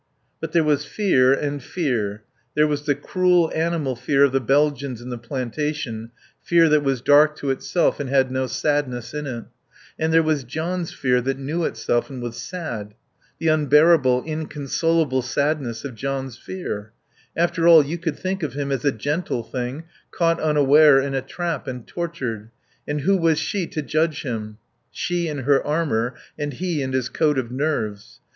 But there was fear and fear. There was the cruel, animal fear of the Belgians in the plantation, fear that was dark to itself and had no sadness in it; and there was John's fear that knew itself and was sad. The unbearable, inconsolable sadness of John's fear! After all, you could think of him as a gentle thing, caught unaware in a trap and tortured. And who was she to judge him? She in her "armour" and he in his coat of nerves.